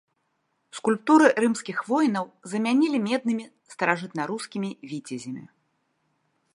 Скульптуры рымскіх воінаў замянілі меднымі старажытнарускімі віцязямі.